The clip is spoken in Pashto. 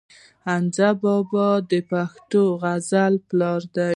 حمزه بابا د پښتو غزل پلار دی.